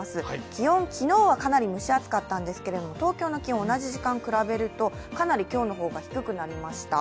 気温、昨日はかなり蒸し暑かったんですけど東京の気温、同じ時間と比べると、かなり今日の方が低くなりました。